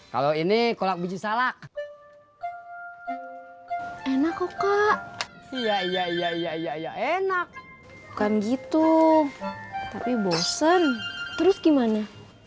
kalau ini kolak biji salak enak kok kak iya iya enak bukan gitu tapi bosen terus gimana